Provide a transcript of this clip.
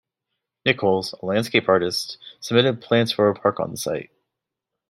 Nichols, a landscape architect, submitted plans for a park on the site.